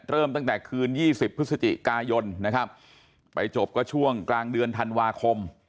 เริ่มตั้งแต่คืน๒๐พฤศจิกายนนะครับไปจบก็ช่วงกลางเดือนธันวาคม